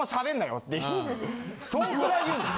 そんくらい言うんです。